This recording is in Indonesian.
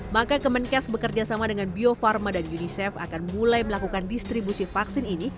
maka kemenkes bekerja sama dengan bio farma dan unicef akan mulai melakukan distribusi vaksin ini